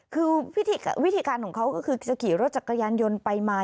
คือวิธีการของเขาก็คือจะขี่รถจักรยานยนต์ไปมา